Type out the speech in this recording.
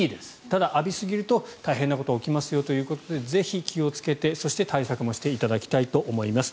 ただ浴びすぎると大変なことが起きますよということでぜひ気をつけてそして、対策もしていただきたいと思います。